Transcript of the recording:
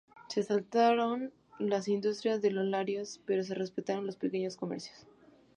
Se asaltaron las industrias de los Larios, pero se respetaron los pequeños comercios.